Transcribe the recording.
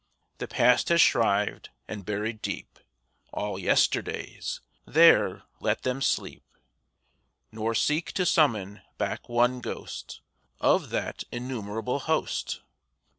The past has shrived and buried deep All yesterdays—there let them sleep, Nor seek to summon back one ghost Of that innumerable host.